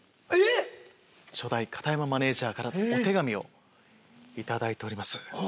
初代片山マネージャーからお手紙を頂いております。